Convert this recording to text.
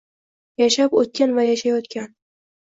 Yashab oʼtgan va yashayotgan